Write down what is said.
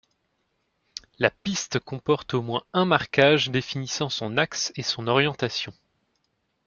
La piste comporte au moins un marquage définissant son axe et son orientation.